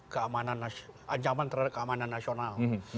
keamanan ancaman terhadap keamanan nasional